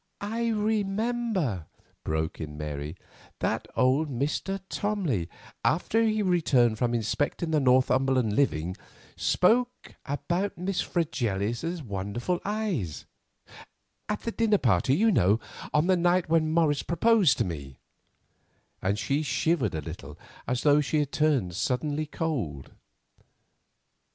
"I remember," broke in Mary, "that old Mr. Tomley, after he returned from inspecting the Northumberland living, spoke about Miss Fregelius's wonderful eyes—at the dinner party, you know, on the night when Morris proposed to me," and she shivered a little as though she had turned suddenly cold.